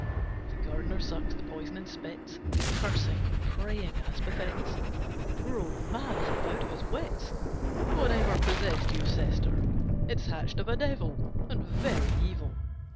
The gardener sucks the poison and spits, Cursing and praying as befits A poor old man half out of his wits. "Whatever possessed you, Sister, it's Hatched of a devil And very evil.